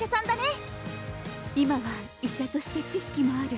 今は医者として知識もある。